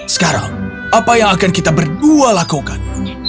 sekarang apa yang akan kita berdua lakukan